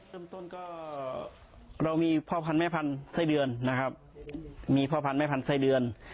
เริ่มต้นก็เรามีพ่อพันธุ์แม่พันธุ์ไส้เดือนนะครับมีพ่อพันธุแม่พันธุไส้เดือน